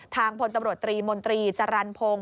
ทางผลตำรวจตรีมจัตรรันพงศ์